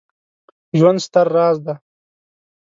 ژوند ستر راز دی